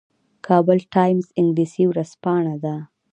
کابل ټایمز انګلیسي ورځپاڼه ده